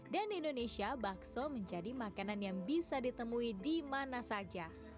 dan di indonesia bakso menjadi makanan yang bisa ditemui di mana saja